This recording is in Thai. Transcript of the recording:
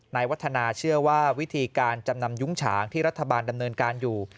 วัฒนาเชื่อว่าวิธีการจำนำยุ้งฉางที่รัฐบาลดำเนินการอยู่